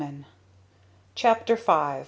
CHAPTER V.